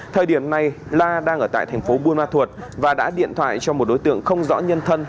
thời điểm này la đang ở tại thành phố buôn ma thuột và đã điện thoại cho một đối tượng không rõ nhân thân